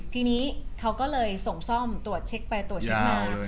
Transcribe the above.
ทีนี้เขาก็เลยส่งซ่อมตรวจเช็คไปตรวจเช็คมา